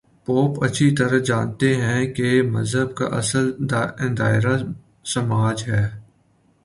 Pope اچھی طرح جانتے ہیں کہ مذہب کا اصل دائرہ سماج ہے۔